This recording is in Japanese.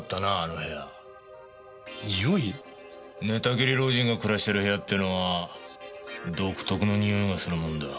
寝たきり老人が暮らしてる部屋っていうのは独特のにおいがするもんだ。